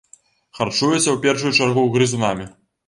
Харчуецца ў першую чаргу грызунамі.